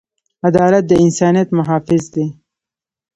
عدالت د انسانیت محافظ دی.